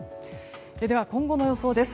では今後の予想です。